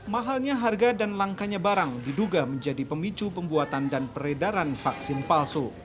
mahalnya harga dan langkanya barang diduga menjadi pemicu pembuatan dan peredaran vaksin palsu